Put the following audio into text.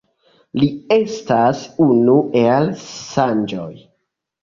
Li estas unu el Sonĝoj.